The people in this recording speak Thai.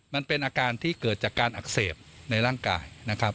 มันเป็นอาการที่เกิดจากการอักเสบในร่างกายนะครับ